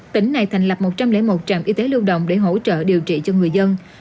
tỉnh này thành lập một trăm linh một trạm y tế lưu động để hỗ trợ điều trị cho người dân